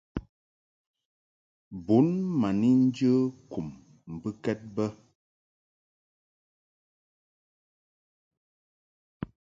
Bun ma ni njə kum mbɨkɛd bə.